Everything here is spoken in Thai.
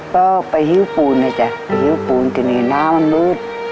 ก็ไปฮิ้วปูนนะจ๊ะไปฮิ้วปูนทีนี้น้ำมันมืด